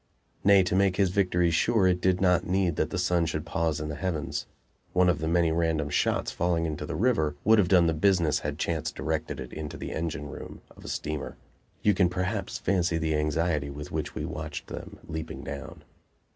Nay, to make his victory sure it did not need that the sun should pause in the heavens; one of the many random shots falling into the river would have done the business had chance directed it into the engine room of a steamer. You can perhaps fancy the anxiety with which we watched them leaping down.